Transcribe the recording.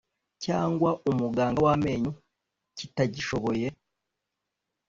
cyangwa umuganga w amenyo kitagishoboye